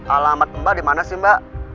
alamat mbak dimana sih mbak